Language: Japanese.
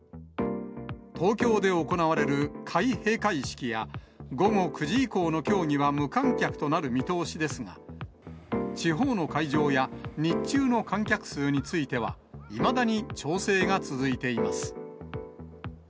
東京で行われる開閉会式や、午後９時以降の競技は無観客となる見通しですが、地方の会場や日中の観客数については、いまだに調整が続いています。